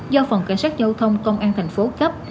do phòng cảnh sát dâu thông công an tp cấp